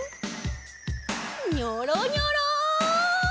ニョロニョロ。